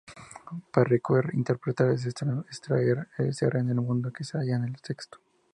Para Ricoeur interpretar es extraer el ser-en-el-mundo que se halla en el texto.